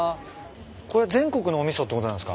これ全国のお味噌ってことなんすか？